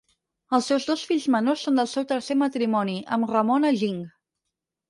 Els seus dos fills menors són del seu tercer matrimoni, amb Ramona Ging.